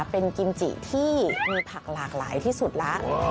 เป็นกิมจิที่มีผักหลากหลายที่สุดแล้ว